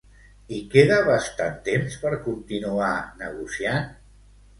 I queda bastant temps per continuar negociant?